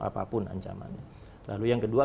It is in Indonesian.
apapun ancamannya lalu yang kedua